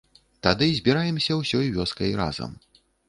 Тады збіраемся ўсёй вёскай разам.